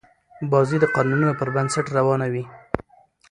بازي د قانونونو پر بنسټ روانه يي.